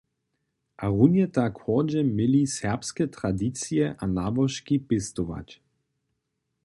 A runje tak hordźe měli serbske tradicije a nałožki pěstować.